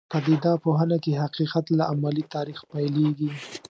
په پدیده پوهنه کې حقیقت له عملي تاریخ پیلېږي.